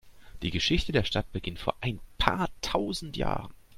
Die Geschichte der Stadt beginnt vor ein paar tausend Jahren.